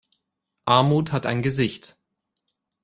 Armut hat ein Gesicht.